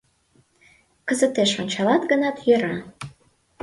Кызытеш ончалат гынат, йӧра.